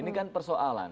ini kan persoalan